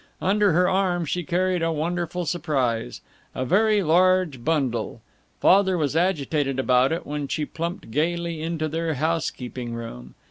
Under her arm she carried a wonderful surprise, a very large bundle. Father was agitated about it when she plumped gaily into their housekeeping room.